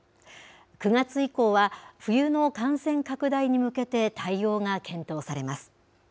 ９月以降は、冬の感染拡大に向けて対応が検討されます。